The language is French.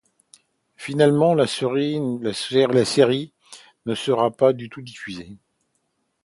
Finalement la série ne sera pas du tout diffusée.